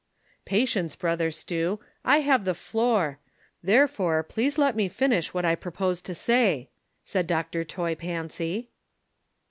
"Patience, brother Stew, I have the floor ; please, there fore, let me finish what I proposed to say," said Dr. Toy Pancy.